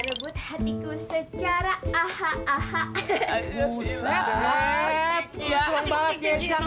rebut hatiku secara aha aham